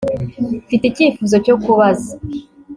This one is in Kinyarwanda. Mfite icyifuzo cyo kubaza